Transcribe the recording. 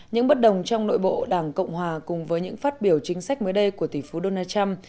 những bất đồng trong nội bộ đảng cộng hòa cùng với những phát biểu chính sách mới đây của tỷ phú donald trump